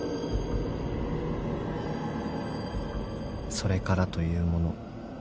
［それからというもの